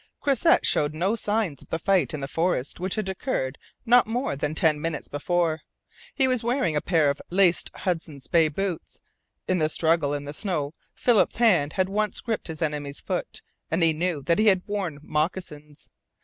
Croisset showed no signs of the fight in the forest which had occurred not more than ten minutes before. He was wearing a pair of laced Hudson's Bay boots. In the struggle in the snow Philip's hand had once gripped his enemy's foot, and he knew that he had worn moccasins.